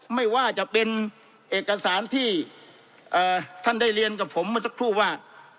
ไม่ว่าจะเป็นเอกสารที่ท่านได้เรียนกับผมเมื่อสักครู่ว่า